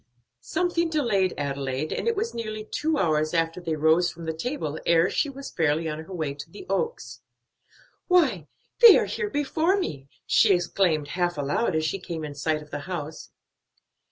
Something delayed Adelaide, and it was nearly two hours after they rose from the table ere she was fairly on her way to the Oaks. "Why, they are here before me!" she exclaimed half aloud as she came in sight of the house.